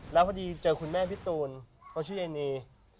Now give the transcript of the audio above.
แล้วพอดีเจอคุณแม่พี่ตูนเขาชื่อไอเน